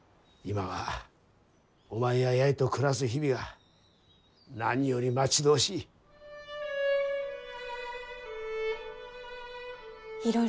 今はお前や八重と暮らす日々が何より待ち遠しい。